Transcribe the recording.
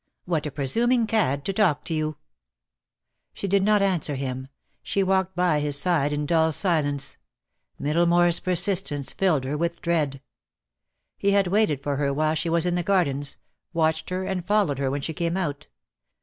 "What a presuming cad to talk to you." She did not answer him. She walked by his side in dull silence. Middlemore's persistence filled her with dread. He had waited for her while she was in the gardens, watched and followed her when she came out.